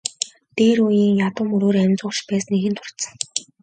Дээр үеийн ядуу мөрөөрөө амь зуугчид байсныг эхэнд дурдсан.